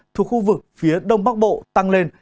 thuộc khu vực phía đông bắc bộ tăng lên